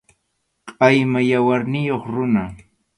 Qʼayma yawarniyuq runa.